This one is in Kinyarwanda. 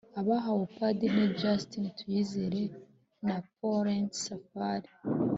abahawe ubupadiri ni justin tuyisenge na plaurent safari